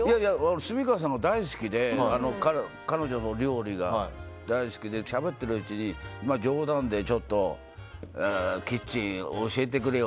住川さんが大好きで彼女の料理が大好きでしゃべってるうちに、冗談でキッチン教えてくれよ